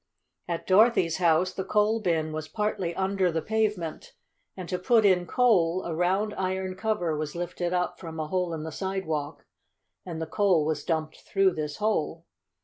At Dorothy's house the coal bin was partly under the pavement, and to put in coal a round, iron cover was lifted up from a hole in the sidewalk, and the coal was dumped through this hole.